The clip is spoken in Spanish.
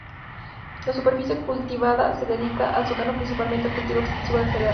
La superficie cultivada se dedica a secano, principalmente al cultivo extensivo de cereal.